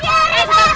tolong wajah manusia